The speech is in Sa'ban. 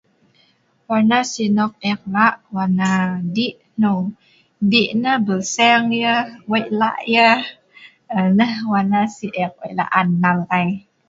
Wana si nok ek la' wana dih' hnong dih' nah belseng yah wei' lah' yah eee nah wana si ek la' ai